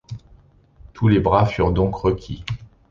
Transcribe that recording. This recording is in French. Tous les bras furent donc requis.